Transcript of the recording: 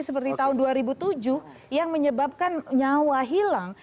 seperti tahun dua ribu tujuh yang menyebabkan nyawa hilang